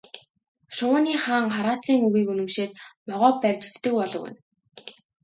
Шувууны хаан хараацайн үгийг үнэмшээд могой барьж иддэг болов гэнэ.